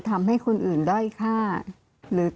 ทำไมรัฐต้องเอาเงินภาษีประชาชน